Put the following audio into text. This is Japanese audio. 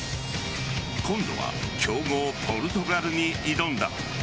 今度は強豪・ポルトガルに挑んだ。